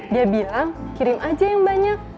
dia bilang kirim aja yang banyak